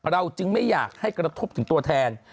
จึงไม่อยากให้กระทบถึงตัวแทน